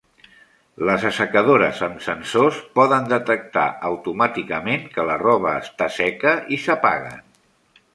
Les assecadores amb sensors poden detectar automàticament que la roba està seca i s'apaguen.